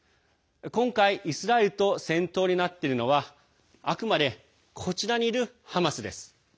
今回、イスラエルと戦闘になっているのはあくまでこちらにいるハマスです。